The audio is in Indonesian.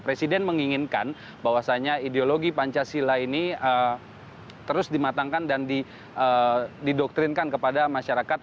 presiden menginginkan bahwasannya ideologi pancasila ini terus dimatangkan dan didoktrinkan kepada masyarakat